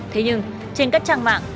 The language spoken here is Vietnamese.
thế nhưng trên các trang mạng